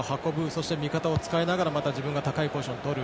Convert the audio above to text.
そして味方を使いながらまた自分が高いポジションをとる。